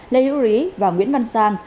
lê hữu rí và nguyễn văn sang